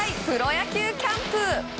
プロ野球キャンプ！